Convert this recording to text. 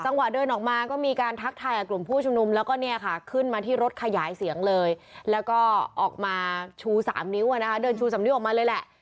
เดินออกมาก็มีการทักทายกับกลุ่มผู้ชุมนุมแล้วก็เนี่ยค่ะขึ้นมาที่รถขยายเสียงเลยแล้วก็ออกมาชู๓นิ้วนะคะเดินชู๓นิ้วออกมาเลยแหละ